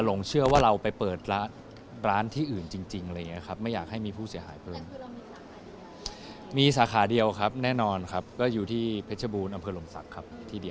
หลงเชื่อว่าเราไปเปิดร้านที่อื่นจริงอะไรอย่างนี้ครับ